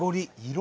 色！